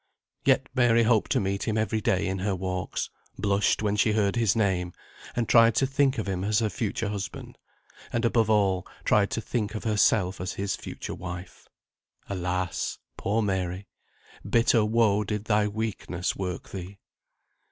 Yet Mary hoped to meet him every day in her walks, blushed when she heard his name, and tried to think of him as her future husband, and above all, tried to think of herself as his future wife. Alas! poor Mary! Bitter woe did thy weakness work thee.